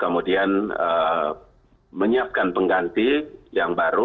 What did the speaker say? kemudian menyiapkan pengganti yang baru